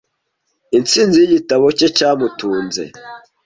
Intsinzi yigitabo cye cyamutunze.